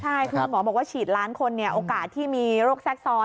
ใช่คือคุณหมอบอกว่าฉีดล้านคนเนี่ยโอกาสที่มีโรคแทรกซ้อน